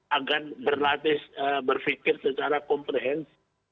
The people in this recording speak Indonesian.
agar berlatih berpikir secara komprehensi